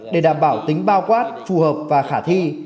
để đảm bảo tính bao quát phù hợp và khả thi